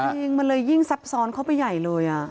จริงมันเลยยิ่งซับซ้อนเข้าไปใหญ่เลย